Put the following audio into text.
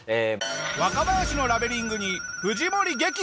若林のラベリングに藤森激怒！